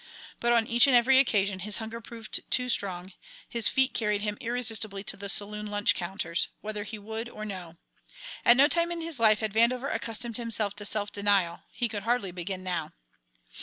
But on each and every occasion his hunger proved too strong, his feet carried him irresistibly to the saloon lunch counters, whether he would or no. At no time in his life had Vandover accustomed himself to self denial; he could hardly begin now.